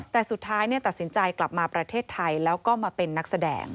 แต่สุดท้ายตัดสินใจกลับมาประเทศไทยแล้วก็มาเป็นนักแสดง